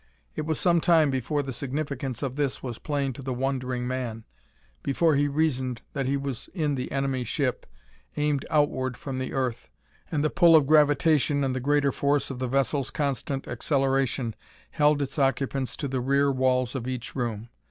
It was some time before the significance of this was plain to the wondering man before he reasoned that he was in the enemy ship, aimed outward from the earth, and the pull of gravitation and the greater force of the vessel's constant acceleration held its occupants to the rear walls of each room.